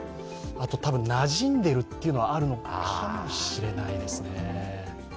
あと多分、なじんでるっていうのはあるかもしれないですね。